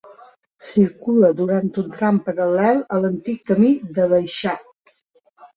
Circula durant un tram paral·lel a l'antic Camí de l'Aleixar.